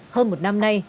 hơn một năm nay